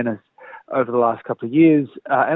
dalam beberapa tahun terakhir